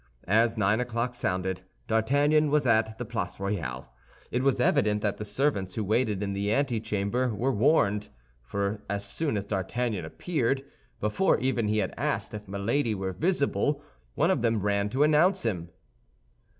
As nine o'clock sounded, D'Artagnan was at the Place Royale. It was evident that the servants who waited in the antechamber were warned, for as soon as D'Artagnan appeared, before even he had asked if Milady were visible, one of them ran to announce him.